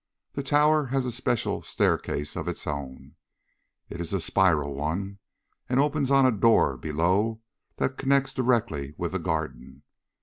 The tower has a special staircase of its own. It is a spiral one, and opens on a door below that connects directly with the garden.